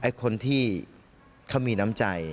คนที่เขามีน้ำใจ